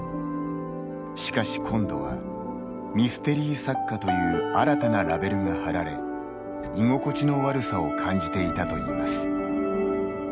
しかし今度はミステリー作家という新たなラベルが貼られ居心地の悪さを感じていたといいます。